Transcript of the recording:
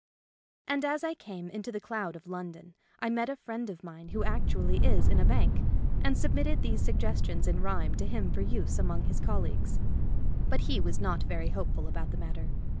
And as I came into the cloud of London I met a friend of mine who actually is in a bank, and submitted these suggestions in rhyme to him for use among his colleagues. But he was not very hopeful about the mat ter.